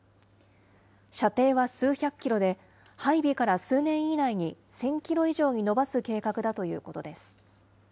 射程は数百キロで、配備から数年以内に１０００キロ以上に伸ばす計画だということです。